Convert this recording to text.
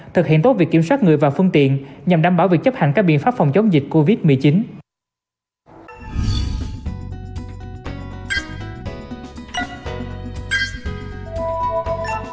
thực hiện tốt việc kiểm soát người và phương tiện nhằm đảm bảo việc chấp hành các biện pháp phòng chống dịch covid một mươi chín